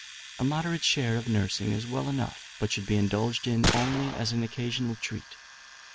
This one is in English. A moderate share of nursing is well enough, but should be indulged in only as an occasional treat.